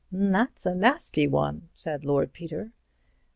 "That's a nasty one," said Lord Peter.